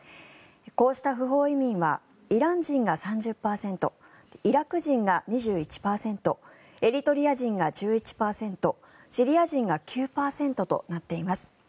こうした不法移民はイラン人が３０％イラク人が２１％エリトリア人が１１％シリア人が９％となっています。